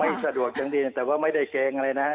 ไม่สะดวกจังทีแต่ว่าไม่ได้เกรงอะไรนะ